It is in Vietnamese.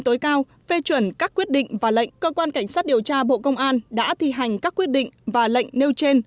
tối cao phê chuẩn các quyết định và lệnh cơ quan cảnh sát điều tra bộ công an đã thi hành các quyết định và lệnh nêu trên